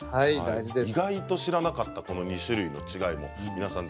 意外と知らなかったこの２種類の違いも皆さん